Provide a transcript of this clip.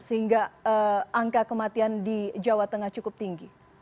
sehingga angka kematian di jawa tengah cukup tinggi